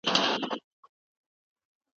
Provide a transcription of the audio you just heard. د بهرنیو چارو وزارت ترانزیتي لاره نه تړي.